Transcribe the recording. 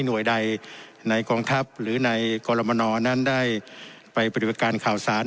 หน่วยใดในกองทัพหรือในโกรมนำนั้นได้ไปปฏิมิตรการข่าวสาร